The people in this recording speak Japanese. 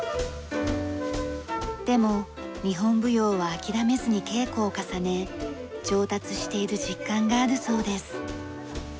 でも日本舞踊は諦めずに稽古を重ね上達している実感があるそうです。